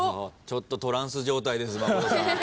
ちょっとトランス状態です。